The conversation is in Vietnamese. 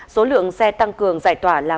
số lượng xe tăng cường giải tỏa là một trăm một mươi